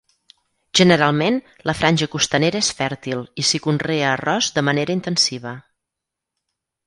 Generalment, la franja costanera és fèrtil i s'hi conrea arròs de manera intensiva.